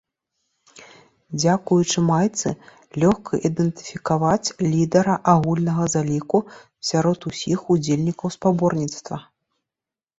Дзякуючы майцы, лёгка ідэнтыфікаваць лідара агульнага заліку сярод усіх удзельнікаў спаборніцтва.